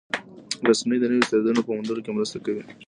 رسنۍ د نویو استعدادونو په موندلو کې مرسته کوي.